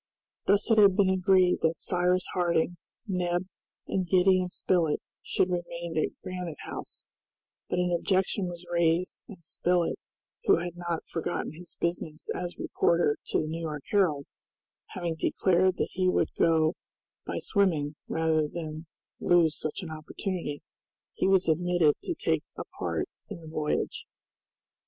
Thus it had been agreed that Cyrus Harding, Neb, and Gideon Spilett should remain at Granite House, but an objection was raised, and Spilett, who had not forgotten his business as reporter to the New York Herald, having declared that he would go by swimming rather than lose such an opportunity, he was admitted to take a part in the voyage.